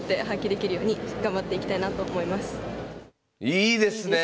いいですねえ！